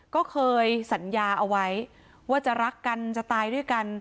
ก็เคยสัญญาเอาไว้ว่าจะรักกันจะตายด้วยกัน